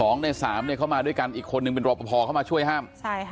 ๒ใน๓เข้ามาด้วยกันอีกคนนึงเป็นรอปภเข้ามาช่วยห้าม